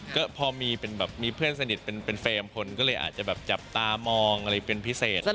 ก็พอมีเพื่อนสนิทเป็นเฟมคนก็เลยอาจจะจับตามองหรือเป็นพิเศษ